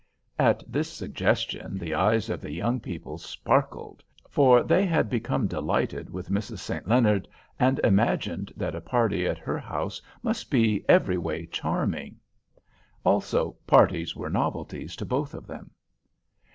At this suggestion the eyes of the young people sparkled, for they had become delighted with Mrs. St. Leonard, and imagined that a party at her house must be every way charming. Also, parties were novelties to both of them.